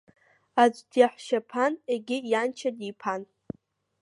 Аӡә диаҳәшьаԥан, егьи ианшьа диԥан.